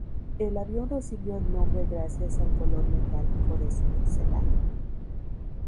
El avión recibió el nombre gracias al color metálico de su fuselaje.